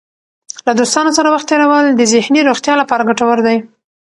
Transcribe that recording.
له دوستانو سره وخت تېرول د ذهني روغتیا لپاره ګټور دی.